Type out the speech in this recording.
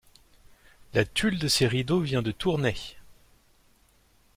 Le tulle de ces rideaux vient de Tournay.